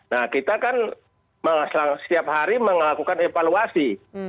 nah kita kan setiap hari melakukan evaluasi